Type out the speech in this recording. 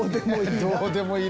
どうでもいい。